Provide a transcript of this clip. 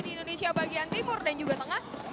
di indonesia bagian timur dan juga tengah